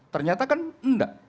ternyata itu tidak